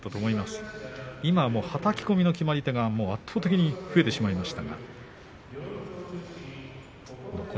今は、はたき込みの決まり手が圧倒的に増えてしまいました。